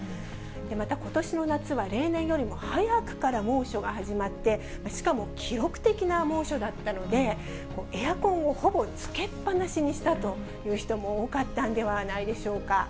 またことしの夏は例年よりも早くから猛暑が始まって、しかも記録的な猛暑だったので、エアコンをほぼつけっぱなしにしたという人も多かったんではないでしょうか。